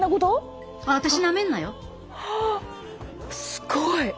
すごい！